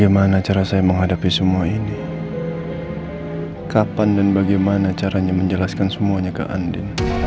mama gak sampai hati ke andi